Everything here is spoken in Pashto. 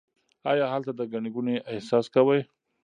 آیا هلته د ګڼې ګوڼې احساس کوئ؟